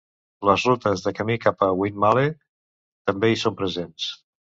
Les rutes de camí cap a Winmalee també hi són presents.